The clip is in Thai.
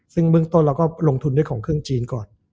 ซึ่งเบื้องต้นเราก็ลงทุนด้วยของเครื่องจีนก่อน